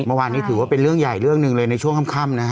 เมื่อวานนี้ถือว่าเป็นเรื่องใหญ่เรื่องหนึ่งเลยในช่วงค่ำนะฮะ